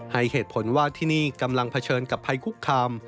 ให้เหตุผลว่าที่นี่กำลังเผชิญกับภัยคุกคาม